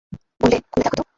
বললে, খুলে দেখো তো।